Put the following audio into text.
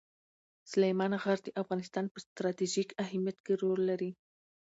سلیمان غر د افغانستان په ستراتیژیک اهمیت کې رول لري.